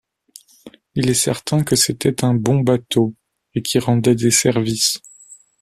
Il est certain que c’était un bon bateau, et qui rendait des services.